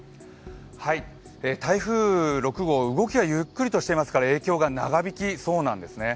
台風６号、動きはゆっくりとしていますから影響が長引きそうなんですね。